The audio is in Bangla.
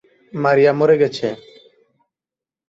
মারিয়া মরে গেছে।